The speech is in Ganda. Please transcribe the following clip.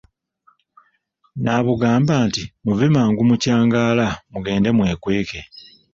N'abugamba nti, muve mangu mu kyangaala mugende mwekweke.